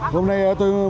hôm nay ở tương ưu